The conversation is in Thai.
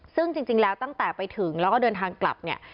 ซึ่งจริงแล้วตั้งแต่ไปถึงแล้วก็เดินทางกลับเนี่ย